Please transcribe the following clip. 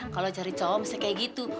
kalau cari cowok misalnya kayak gitu